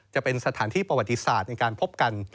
จะเป็นสถานที่ประวัติศาสตร์ในการพบกัน